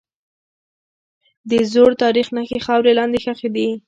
د زوړ تاریخ نښې خاورې لاندې ښخي دي.